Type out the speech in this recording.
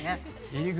入り口。